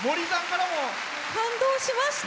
感動しました。